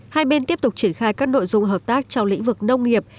hai bên tiếp tục triển khai các nội dung hợp tác trong lĩnh vực nông nghiệp